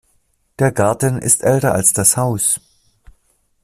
Der Garten ist älter als das Haus.